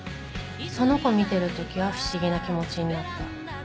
その子見てるときは不思議な気持ちになった。